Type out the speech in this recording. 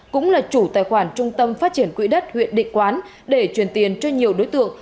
cũng là chủ tài khoản trung tâm phát triển quỹ đất huyện định quán để truyền tiền cho nhiều đối tượng